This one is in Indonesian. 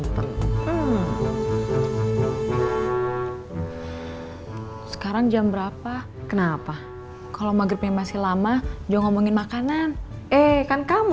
tapi emang sekarang jam berapa kenapa kalau magapeng masih lama new ngomongin makanan eh kan kamu